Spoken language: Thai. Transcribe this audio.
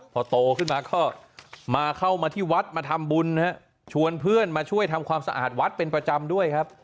พอโตขึ้นมาก็มาเข้ามาที่วัดมาทำบุญชวนเพื่อนมาช่วยทำความสะอาดวัดเป็นประจำด้วยครับ